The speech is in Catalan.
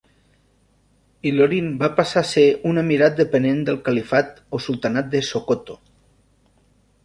Ilorin va passar a ser un emirat depenent del califat o Sultanat de Sokoto.